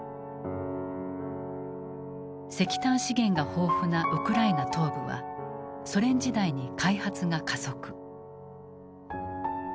石炭資源が豊富なウクライナ東部はソ連時代に開発が加速。